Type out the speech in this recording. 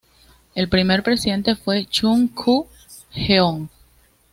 El primer presidente fue Chun-koo Jeong.